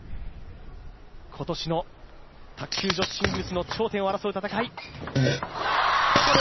今年の卓球女子シングルスの頂点を争う戦い。